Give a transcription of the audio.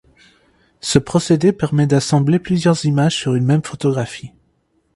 Ce procédé permet d’assembler plusieurs images sur une même photographie.